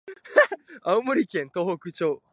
青森県東北町